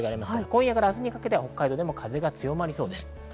今夜から明日にかけて北海道でも風が強まりそうです。